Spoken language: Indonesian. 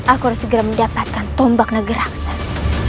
aku harus segera mendapatkan tombak negerang